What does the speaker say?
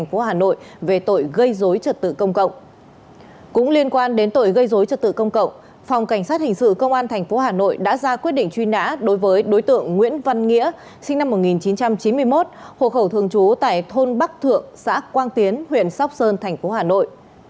phòng cảnh sát hình sự công an thành phố hà nội đã ra quyết định truy nã đối với đối tượng nguyễn văn nghĩa sinh năm một nghìn chín trăm chín mươi một hộ khẩu thường trú tại thôn bắc thượng xã quang tiến huyện sóc sơn thành phố hà nội